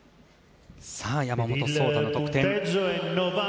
山本草太の得点。